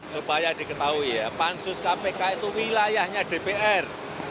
supaya diketahui ya pansus kpk itu wilayahnya dpr